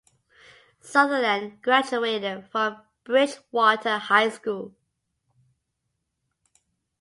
Sutherland graduated from Bridgewater High School.